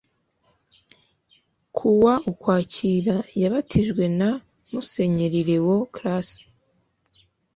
ku wa ukwakira yabatijwe na musenyeri léon classe